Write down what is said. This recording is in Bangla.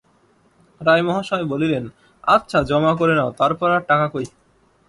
রায় মহাশয় বলিলেন-আচ্ছা-জমা করে নাও-তারপর আর টাকা কই?